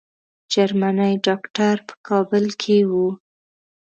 جرمني ډاکټر په کابل کې وو.